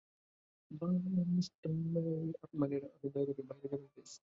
Madam, আপনি দয়া করে বাহিরে যাবেন প্লিজ?